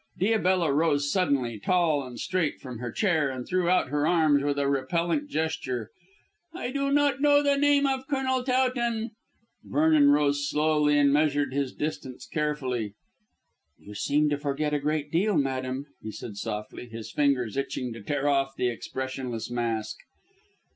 Diabella rose suddenly, tall and straight, from her chair and threw out her arms with a repellant gesture. "I do not know the name of Colonel Towton." Vernon rose slowly and measured his distance carefully. "You seem to forget a great deal, madame," he said softly, his fingers itching to tear off the expressionless mask.